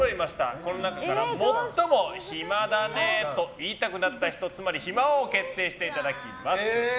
この中から最も暇だねと言いたくなった人つまり暇王を決定していただきます。